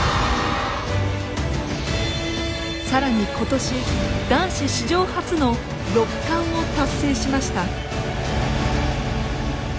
更に今年男子史上初の六冠を達成しました。